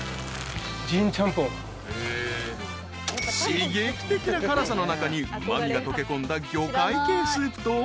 ［刺激的な辛さの中にうま味が溶け込んだ魚介系スープと］